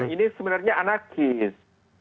ini sebenarnya anakis